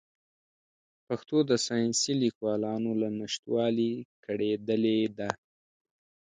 پښتو د ساینسي لیکوالانو له نشتوالي کړېدلې ده.